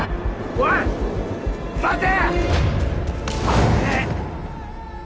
おいっ待て！